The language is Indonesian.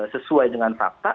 sesuai dengan fakta